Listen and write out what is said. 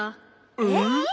えっ？